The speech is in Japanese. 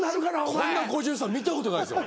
こんな５３見たことないですよ。